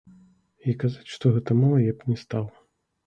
І казаць, што гэта мала, я б не стаў.